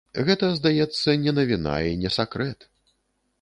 Гэта, здаецца, не навіна і не сакрэт.